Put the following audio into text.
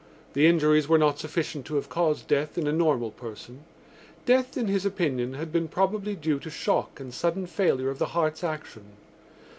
The injuries were not sufficient to have caused death in a normal person. Death, in his opinion, had been probably due to shock and sudden failure of the heart's action.